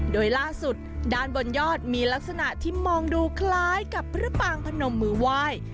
โดยล่าสุดด้านบนยอดมีลักษณะที่มองดูคล้ายกับพระปางพนมมือไหว้